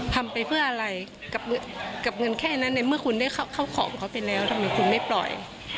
ทำไปเพื่ออะไรกับเงินแค่นั้นในเมื่อคุณได้เข้าของเขาไปแล้วทำไมคุณไม่ปล่อย